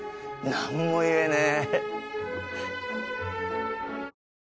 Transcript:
何も言えねえ。